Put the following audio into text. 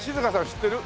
知ってる？